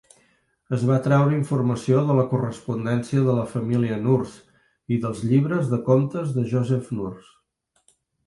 Es va treure informació de la correspondència de la família Nourse i dels llibres de comptes de Joseph Nourse.